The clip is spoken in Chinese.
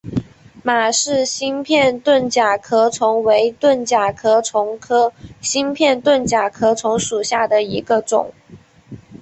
马氏新片盾介壳虫为盾介壳虫科新片盾介壳虫属下的一个种。